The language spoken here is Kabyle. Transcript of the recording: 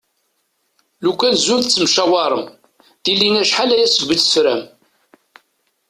Lukan zun tettemcawarem, dili acḥal-aya segmi tt-tefram.